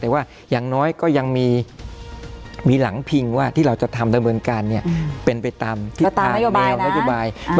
แต่ว่ายังน้อยก็ยังมีหลังพิงว่าที่เราจะทำดำเนินการเนี่ยเป็นไปตามว่าตามแนวนันยดบายนะ